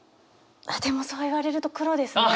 あっでもそう言われると黒ですね。